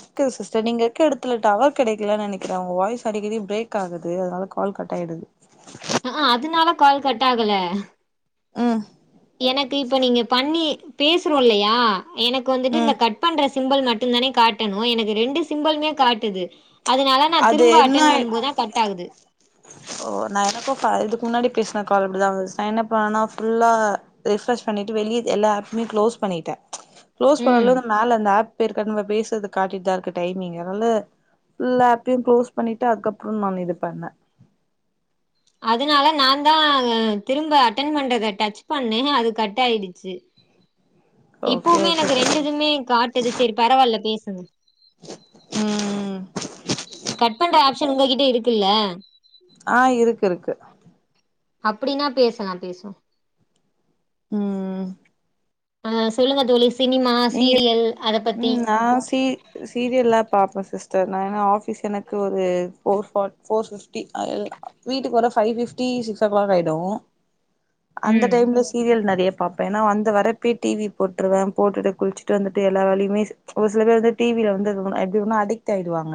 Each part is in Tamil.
ஓகே சிஸ்டர் நீங்க இக்க எடத்துல டவர் கெடைக்லன் நெனைக்கிறே உங்க வாய்ஸ் அடிக்கடி பிரேக் ஆகுது அதனால கால் கட் ஆயிடுது அ அ அதனால கால் கட் ஆகல ம் எனக்கு இப்போ நீங்க பண்ணி பேசறோ இல்லையா எனக்கு வந்துட்டு இந்த ம் கட் பண்ற சிம்பள் மட்டுந்தானே காட்டணு எனக்கு ரெண்டு சிம்பள்மே காட்டுது அதனால நா அது திரும்ப என்ன அட்டன்ட் ஆயி பண்ணும் போதுதா கட் ஆகுது ஓ ந எனக்கு இப்ப அ இதுக்கு முன்னாடி பேச்ன கால் இப்டிதா வந்துச் சைனப் ஆனா ஃபுல்லா ரெஃப்ரஷ் பண்ணிட்டு வெளியத் எல்லா ஆப்மே க்ளோஸ் பண்ணிட்டே க்ளோஸ் ம் பண்ணல இத மேல அந்த ஆப் பேருக்கன்ம பேசறது காட்டிட்தா இருக்கு டைமிங்கு அதனால இல்லா ஆப்பியுங் க்ளோஸ் பண்ணிட்டு அதுக்கப்றம் நா இதுப் பண்ணே அதனால நாந்தா திரும்ப அட்டென் பண்றத டச் பண்ணே அது கட்டாயிடுச்சு ஓகே இப்பவுமே ஓகே எனக்கு சிஸ்டர் ரெண்டுதுமே காட் ட்டுது செரிப் பரவால்ல பேசுங்க ம் கட் பண்ற ஆப் சன் உங்க கிட்ட இருக்கு இல்ல ஆ இருக்கு இருக்கு அப்படின்னா பேசலாம் பேசும் ம் அ சொல்லுங்க தோழி சினிமா சீரியல் அத பத்தி ஆ சீ இது சீரியல்லா பாப்ப சிஸ்டர் நா ஏன்னா ஆஃபீஸ் எனக்கு ஒரு ஃபோர் ஃபாட் ஃபோர் ஃபிப்டி அல் வீட்டுக்கு வர five fifty six o'clock ஆயிடும் அந்த ம் டைம்ல சீரியல் நெறைய பாப்பே ஏனா வந்த வரப்பே டிவி போட்ருவேன் போட்டுட்டு குள்சிட்டு வந்துட்டு எல்லா வேலையு வேசிப்ஸ் ஒரு சில பேர் வந்து டி வி ல வந்து எப்டியோன்னா அடிக்ட் ஆயிடுவாங்க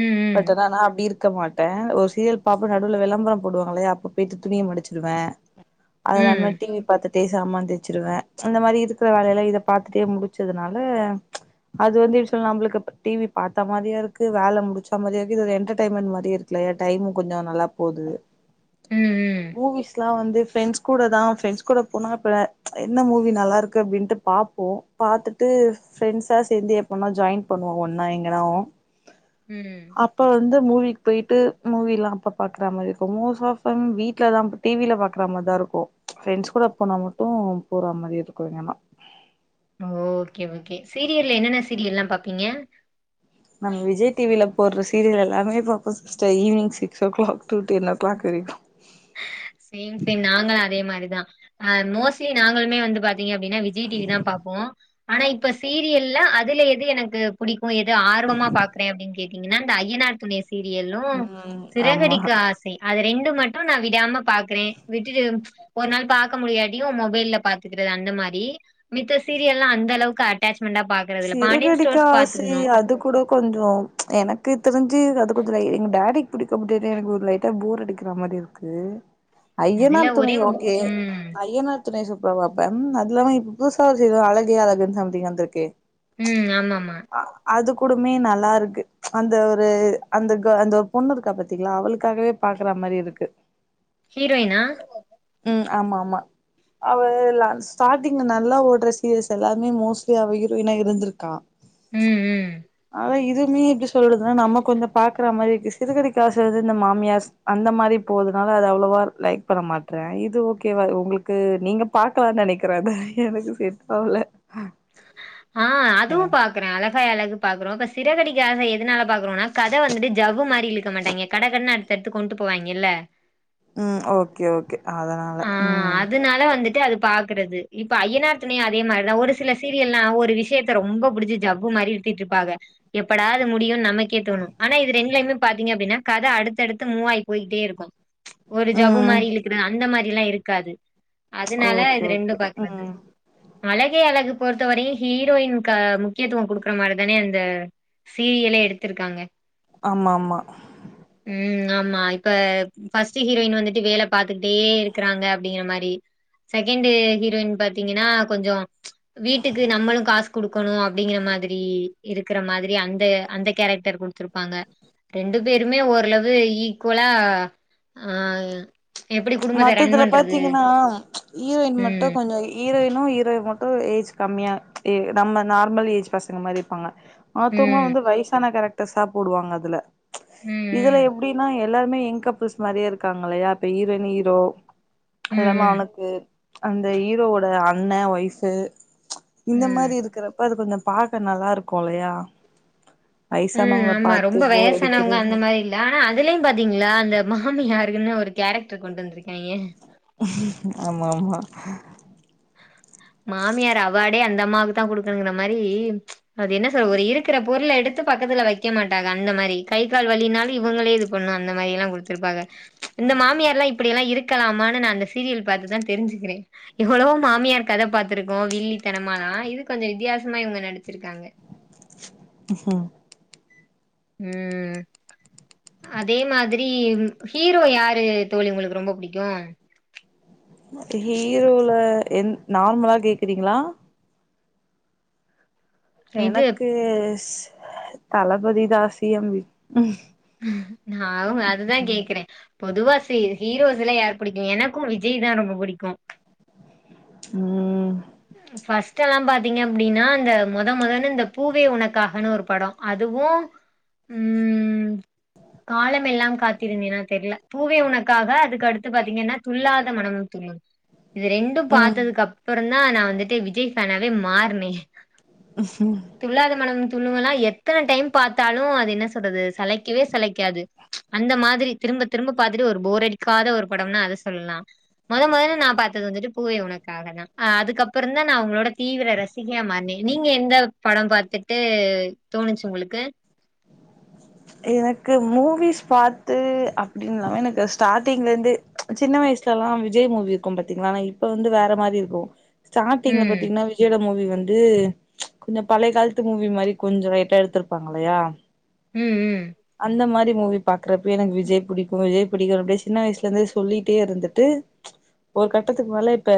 ம் ம் பட் ஆனா நா அப்டி இருக் க்க மாட்டே ஒரு சீரியல் பாப்பே நடுவுல வெளம்பரோ போட்ருவாங்களயா அப்ப போயிட்டு துணிய மடிச்சிருவ ம் அதுல்லாம டி வி பாத்துட்டே சாமான் தேச்சிடுவ அந்த மாரி இருக்கற வேலையிலா இத பாத்துட்டே முடி ச்சதுனால அது வந்து யூஸ்வலா நம்ளுக்கு டி வி பாத்த மாதியு இருக்கு வேல முடிச்ச மாதிரி இருக்கு இது ஒரு என்டர்டெய்மெண்ட் மாதி இரு இல்லயா டைமு கொஞ்சோ நல்லா போது ம் ம் மூவிஸ்லா வந்து ஃப்ரெண்ட்ஸ் கூட தான் ஃரெண்ட்ஸ் கூட போனா அப்ப என்ன மூவி நல்லா இருக்கு அப்டின்டு பாப்போ பாத்துட்டு ஃப்ரண்ட்ஸா சேர்ந்து எப்போனாலு ஜாயின் பண்ணுவோ ஒன்னா எங்கனாவ் ம் அப்ப வந்து மூவிக் போய்ட்டு மூவில்லாம அப்ப பாக்கற மாரி இருக்கு மோஸ்ட் ஆஃப் தெம் வீட்ல தா டி வி ல பாக்குற மா தான் இருக்கு ஃப்ரெண்ட்ஸ் கூட போனா மட்டும் போற மாரி இருக்கு வேன்னா ஓ ஓகே ஓகே சீரியல்ல என்னென்ன சீரியல்லா பாப்பீங்க நம்ம விஜய் டி வி ல போட்ற சீரியல் எல்லாமே பாப்போ sister evening six o'clock to ten o'clock வரைக்கு சேம் சேம் நாங்களு அதே மாரி தான் ஆ மோஸ்ட்லி நாங்களுமே வந்து பாத் தீங்க அப்டின்னா விஜய் டி வி தான் பாப்போ ஆனா இப்ப சீரியல்ல அதுல இது எனக்கு புடிக்கு எது ஆர்வமா பாக்குறே அப்டின் கேட்டீங்கன்னா இந்த ஐயனார் துணை ஸ் சீரியலும் ம் ஆமா சிறகடிக்க ஆசை அது ரெண்டு மட்டு நா விடாம பாக்கறே விட்டுட்டு ஒரு நாள் பாக்க முடியாடியு மொபைல்ல பாத்துக்கிற அந்த மாரி மித்த சீரியல்லா அந்த அளவுக்கு அட்டச்மெண்டா பாக் சிறகடிக்க ஆசை அது கூட கொஞ்சோ எனக்கு தெரிஞ்சு அது கொஞ்சோ எங் டேடிக் புடிக்கு எனக்கு ஒரு லைட்டா போர் அடிக்கிற மாரி இருக்கு அது அதுல ஐயனார் ஒரே துணை ஓகே ம் ஐயனார் துணை சூப்பரா பாப்பே அதுல்லாம இப் புதுசா ஏதோ அழகே அழகுன் சம்திங் வந்துருக்கே ம் ஆமாமா அது கூடுமே நல்லாருக்கு அந்த ஒரு அந்த க அந்த பொண்ணு இருக்கா பத்தீங்களா அவளுக்காகவே பாக்கற மாரி இருக்கு ஹீரோயினா ம் ஆமாம்மா அவல்ல ஸ்டார்டிங் நல்லா ஓட்ற சீரிஸ் எல்லாமே மோஸ்ட்லி அவ டுவினா இருந்துருக்கா ம் ம் அதா இதுமே இப்டி சொல்றது நம்ம கொஞ்சோ பாக்கற மாரி இருக்கு சிறகடிக்க ஆசை இந்த மாமியார்ஸ் அந்த மாரி போதுனால அது அவ்ளவா லைக் பண்ண மாட்றேன் இது ஓகேவா ஒங்களுக்கு நீங்க பாக்கலானு நெனைக்கற அது எனக்கு செட் ஆவுல ஆ அதுவு பா க்றே அழகாய் அழகு பாக்ரோ இப்ப சிறகடிக்க ஆசை எதுனால பாக்ரோம்னா கத வந்துட்டு ஜவ்வு மாரி இழுக்க மாட்டாய்ங்க கட கடனு தெட்டு கொண்டு போவாய்ங்கல்ல ம் ஓகே ஓகே அதனால ஆ ம் அதுனால வந்துட்டு அது பா க்றது இப்ப ஐய்யனார் துணை அதே மாரிதா ஒரு சில சீரியல்லா ஒரு விஷயத்த ரொம்ப புடிச்சி ஜவ்வு மாரி இழுத்துட்ருப்பாக எப்படா அது முடியுனு நமக்கே தோணு ஆனா இது ரெண்லயுமே பாத்தீங்க அப்டின்னா கத அடுத்தடுத்து மூவாயி போயிட்டே இருக்கு ஒரு ஜவ்வு ம் மாரி இழுக்கிற அந்த மாரிலா இருக்காது அதுனால ஓகே இது ஓகே ரெண்டும் பாக்குறது ம் அழகே அழகு பொறுத்த வரையு ஹீரோயின்கு முக்கியத்துவோ குடுக்குற மாதி தானே அந்த சீரியலே எடுத்திருக்காங்க ஆமா ஆமா ம் ஆமா இப்ப பர்ஸ்ட் ஹீரோயின் வந்துட்டு வேல பாத் துக்ட்டே இருக்கிறாங்க அப்டிங்கிற மாரி செகண்ட் ஹீரோயின் பாத்தீங்கன்னா கொஞ்சோ வீட்டுக்கு நம்மளு காஸ் குடுக்கணு அப்டிங்கற மாதிரி இருக்கிற மாதிரி அந்த அந்த கேரக்டர் குடுத்துரு ப்பாங்க ரெண்டு பேருமே ஓரளவு ஈக்குவலா ஆ எப்டி குடும்பத்த ரன் மத்தத்துல பண்றது. பாத்தீங்கன்னா ஈரோயின் மட்டு ம். கொஞ்சோ ஈரோயினும் ஈரோ மட்டு ஏஜ் கம்மியா நம்ம நார்மல் ஏஜ் பசங்க மாரி இருப்பாங்க மத்தோங்ளா ம். வந்து வயசான கேரக்டர்ஸா போடுவாங்க அதுல ம் இதுல எப்டின்னா எல்லாருமே யங் கப்பிள்ஸ் மாறியே இருக்காங்க இல்லயா இப்ப ஈரோயுன் ஈரோ அது இல்லாம ம். அவனுக்கு அந்த ஈரோவோட அண்ணே வைஃப்பு ம். இந்த ம். மாரி இருக்கிறப்ப அது கொஞ்சோ பாக்க நல்லா இருக்கு இல்லையா ம் வயசானவங்கள ஆமா பாத்து ரொம்ப போர் வயசானவங்க அடிக்கிறது அந்த மாரி இல்ல ஆனா அதுலயு பாத்தீங்களா அந்த மாமியாருன்னு ஒரு கேரக்டர் கொண்டு வந்திருக்காய்ங்க ஆமா ஆமா மாமியார் அவாடே அந்த அம்மாவுக் தா குடுக்கணுங்கிற மாரி அது என்ன சொல்ற ஒரு இருக்குற பொருள எடுத் து பக்கத்துல வைக்க மாட்டாக அந்த மாறி கை கால் வலினாலு இவுங்களே இது பண்ணு அந்த மாறி எல்லா குடுத்துருப்பாக இந்த மாமியாருலா இப்டில்லா இருக்கலாமான்னு நா அந்த சீரியல் பாத்து தா தெரிஞ்சுக்கிறே எவ்ளவோ மாமியார் கத பாத்திருக்கோ வில்லித்தனமால்லா இது கொஞ்சோ வித்தியாசமா இவுங்க நடிச்சிருக்காங்க ம் ம் அதே மாதிரி ஹீரோ யாரு தோழி ஒங்களுக்கு ரொம்ப புடிக்கும் ஹீரோல எந் நார்மலா கேக்குறீங்ளா இது எனக்கு ஸ் தளபதி தா சி எம் நா அவுங் அதுதா கேக்குறே பொதுவா சி ஹீரோஸ்ல்ல யார் பிடிக்கும் எனக்கும் விஜய் தா ரொம்ப புடிக்கும் ம் ஃபர்ஸ்ட் எல்லா பாத்தீங்க அப்டின்னா இந்த மொத மொதன்னு இந்த பூவே உனக்காகன்னு ஒரு படோ அதுவு ம் காலமெல்லாம் காத்திருந்தேனா தெர்ல பூவே உனக்காக அதுக்கடுத்து பாத்தீங்கன்னா துள்ளாத மனமும் துள்ளு இது ரெண்டும் ம் பாத்ததுக்கு அப்றோ தா நா வந்துட்டு விஜய் ஃபேனாவே மாறுனே துள்ளாத மனமும் துள்ளும்ல்லா எத்தன டைம் பாத்தாலு அது என்ன சொல்றது சளைக்கவே சளைக்காது அந்த மாதிரி திரும்ப திரும்ப பாத்துட்டு ஒரு போரடிக்காத ஒரு படம்ன்னா அத சொல்லலா மொத மொதன்னு நா பாத்தது வந்துட்டு பூவே உனக்காக தா அதுக்கப் றோ தா நா அவுங்களோட தீவிர ரசிகையா மாறுனே நீங்க எந்த படம் பாத்துட்டு தோணுச்சு உங்ளுக்கு எனக்கு மூவிஸ் பாத்து அப்டின்ல்லாம எனக்கு ஸ்டார்ட்டிங்ல இருந்தே சின்ன வயசுலலா விஜய் மூவி இருக்கும் பாத்தீங்ளா ஆனா இப்ப வந்து வேற மாறி இருக்கு ஸ்டார்ட்டிங்ல ம் பாத்தீங்ன்னா வி ஜயோட மூவி வந்து கொஞ்சோ பழய காலத்து மூவி மாறி கொஞ்சோ லைட்டா எடுத்திருப்பாங்க இல்லயா ம் ம் அந்த மாரி மூவி பாக்குறப்பய எனக்கு விஜய் புடிக்கு விஜய் புடிக்கு அப்டியே சின்ன வயசுல இருந்து சொல்லிட்டே இருந்துட்டு ஒரு கட்டத்துக்கு மேல இப்ப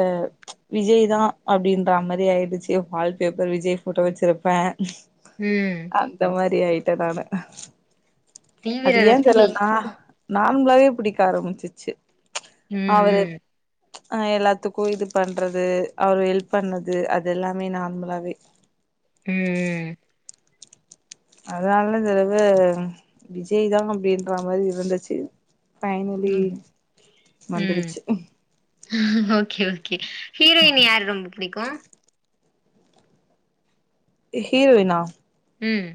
விஜய் தா அப்டின்ற மாரி ஆயிடுச்சு வால்பேப்பர் விஜய் ஃபோட்டோ வச்சிருப்ப ம் அந்த மாரி ஆயிட்ட நானு தீவிர அது ஏன் ரசிகை தெர்லனா நார்மலாவே புடிக்க ஆரம்பிச்சிச்சு ம் அவரு ம் ஆ எல்லாத்துக்கு இது பண்றது அவரு ஹெல்ப் பண்ணது அது எல்லாமே நார்மலாவே ம் அதனால இந்த தடவ விஜய் தா அப்டின்ற மாரி இருந்துச்சு ஃபைனலி ம் ம் நந்துருச்சு ஓகே ஓகே ஹீரோயின் யாரு ரொம்ப புடிக்கும் ஹீரோயினா ம்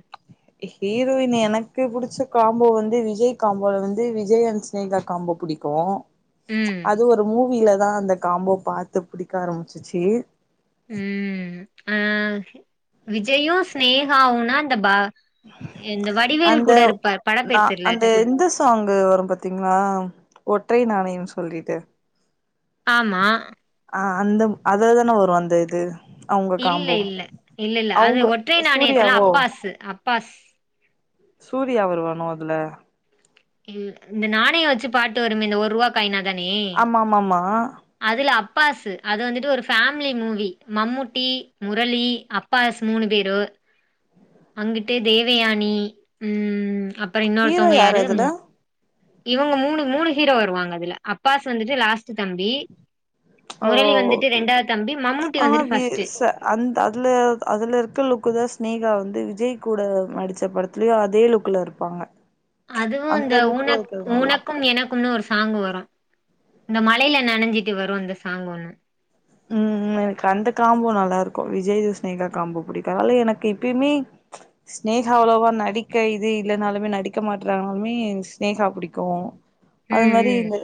ஹீரோயின் எனக்கு புடிச்ச காம்போ வந்து விஜய் காம்போல வந்து விஜய் அண்ட் ஸ்னேக காம்போ புடிக் கோ ம் அது ஒரு மூவிலதா அந்த காம்போ பாத்து பிடிக்க ஆரம்பிச்சுச்சு ம் அ விஜயும் ஸ்நேகாவும்னா இந்த பா இந்த வடிவேல் கூட இருப்பார் படம்பேர் தெர்ல டக்குன்னு காம்போ வரும் பத்தீங்ளா ஒற்றை நாணயம் சொல்லிட்டு ஆமா அ அந்த அதலதான வரும் அந்த இது அவங்க இல்ல காம்போ இல்ல இல்ல இல்ல அது அவங்க ஒற்றை நாணயத்துல சூர்யாவோ அப்பாஸ்சு அப்பாஸ் சூர்யா வருவான அதுல இல் இந்த நாணயம் வச்சு பாட்டு வருமே இந்த ஒரு ரூபா காயின் அதானே ஆமா ஆமா ஆமா அதுல அப்பாசு அது வந்துட்டு ஒரு family movie Mammootty Murali Abbas மூணு பேரு வந்துட்டு தேவயானி ம் அப்பறோ ஹீரோ இன்னொருத்தவங்க யாரு அதுல ம் இவங்க மூணு மூணு ஹீரோ வருவாங்க அதுல அப்பாஸ் வந்துட்டு லாஸ்ட்டு தம்பி ஓ முரளி வந்துட்டு ஓகே ரெண்டாவ் தம்பி மம்முட்டி ஆனா வந்துட்டு வி ஃபர்ஸ்ட்டு ச அந்த அதுல அதுல இருக்க லுக்கு தா ஸ்னேகா வந்து விஜய் கூட நடித்த படத்துலயு அதே லுக்குல இருப் பாங்க அதுவும் இந்த உனக் உனக்கும் எனக்கும்னு ஒரு சாங்க்கு வரும் இந்த மழைல நனஞ்சிட்டு வரும் அந்த சாங் ஒன்னு ம் எனக்கு அந்த காம்போ நல்லா இருக்கும் விஜய்யு ஸ்னேகா காம்போ புடிக்கும் அதனால எனக்கு எப்பயுமே ஸ்நேகா அவ்ளவா நடிக்க இது இல்லனாலுமே நடிக்க மாற்றாலுமே ஸ்நேகா புடிக்கும் அது ம் மாரி ம் இந்த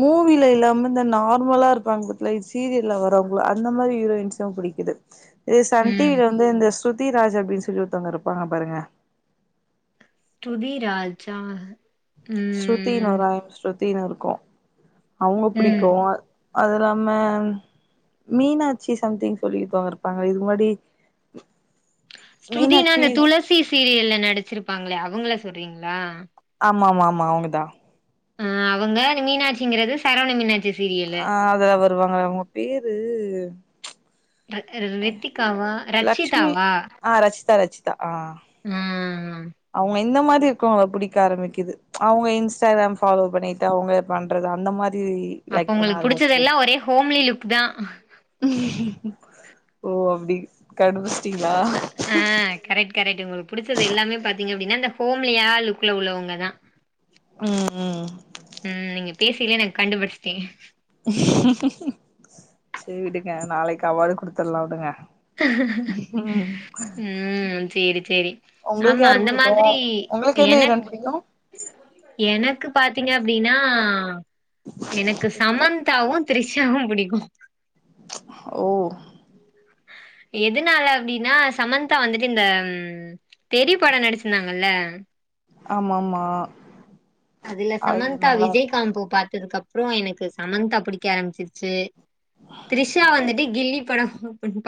மூவில இல்லாம இந்த நார்மலா இருப்பாங்க பத் இந்த சீரியல்ல வரவாங்ள அந்த மாரி ஹீரோயின்ஸ்லா பிடிக்குது இதே சன் டி ம் வில வந்து இந்த சூப் தீராஜ் அப்டின் சொல்லி ஒருத்தவங்க இருப்பாங்க பாருங்க துதிராஜா ஸ்ருத்தின் ஒரு ஆள் ஸ்ருத்தின் இருக்கும் அவங்க ம் புடிக்கும் அது இல்லாம மீனாட்சி சம்திங் சொல்லி ஒருத்தவங்க இருப்பாங்க இதுக்கு முன்னாடி ஸ்ருதினா மீனாட்சி இந்தந்த துளசி சீரியல்ல நடிச்சிருப்பாங்ளே அவங்கள சொல்றீங்களா ஆமாம்மாமா அவங்கதா ஆ அவங்க அந்த மீனாட்சிங்கிறது சரவண மீனாட்சி சீரியலு ஆ அதல அவருவாங்களே அவங்க பேரு ரெத்திக்காவா லக்ஷ்மி ரட்சிதாவா ஆ ரச்சிதா ரச்சிதா ஆ ம்ம்ம் அவங்க இந்த மாரி இருக்கவங்க புடிக்க ஆரம்பிக்குது அவங்க இன்ஸ்டாகிராம் ஃபாலோ பண்ணிட்டு அவங்க பண்றது அந்த மாரி அப்ப லைக் பண்ண உங்களுக்கு ஆரம்பிச்சிட்டே புடிச்சதெல்லா ஒரே ஹோம்லி லுக் தா ஓ அப்டி கண்டுபுச்சிட்டீங்ளா ஆ ஆ கரெக்ட் கரெக்ட்டு உங்களுக்கு புடிச்சது எல்லாமே பாத்தீங்க அப்டின்னா இந்த ஹோம்லியா லுக்ல உள்ளவங்க தா ம் ம் ம் நீங்க பேசயலே நா கண்டுபுடிச்சிட்டேங்க சேரி விடுங்க நாளைக்கு அவார்டு குடுத்துல்லா விடுங்க ம் ம் சேரி சேரி உங்களுக்கு ஆமா யாரு அந்த புடிக்கு மாதிரி உங்களுக்கு எந்த எனக் ஹீரோயின் புடிக்கு எனக்கு பாத்தீங்க அப்டின்னா எனக்கு சமந்தாவு த்ரிஷாவு புடிக்கு ஓ எதனால அப்டின்னா சமந்தா வந்துட்டு இந்த ம் தெரி படம் நடிச்சிருந்தாங்கல்ல ஆமா ஆமா அதுல அது சமந்தா நல்லா விஜய் இருக்கு காம்போ பாத்ததுக்கு அப்றோ எனக்கு சமந்தா புடிக்க ஆரம்பிச்சிருச்சு த்ரிஷா வந்துட்டு கில்லி படம்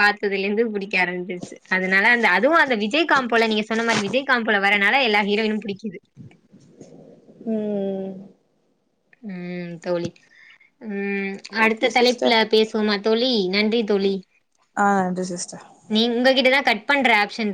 பாத்ததுல இருந்து புடிக்க ஆரம்பிச்சிருச்சு அதனால அந்த அதுவு அந்த விஜய் காம்போல நீங்க சொன்ன மாரி விஜய் காம்போ வறனால எல்லா ஹீரோயினும் புடிக்குது ம் ம் தோழி ம் ஓகே அடுத்த சிஸ்டர் தலைப்புல பேசு வோம தோழி நன்றி தோழி ஆ நன்றி சிஸ்டர் நீ உங்ககிட்டதா கட் பண்ற ஆப்ஷன் இரு